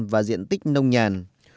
và diện tích nông nhàn